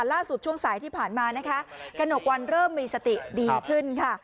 ช่วงสายที่ผ่านมานะคะกระหนกวันเริ่มมีสติดีขึ้นค่ะ